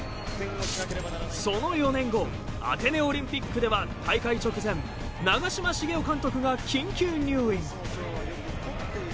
その４年後アテネオリンピックでは大会直前長嶋茂雄監督が緊急入院。